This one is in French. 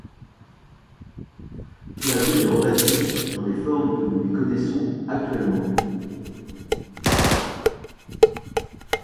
La ville est rebâtie, dans les formes que nous lui connaissons actuellement.